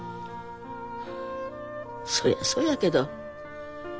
そうはそうやけど。